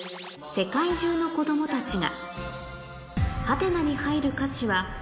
『世界中のこどもたちが』。